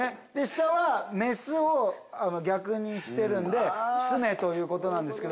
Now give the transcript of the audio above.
下はメスを逆にしてスメということなんです。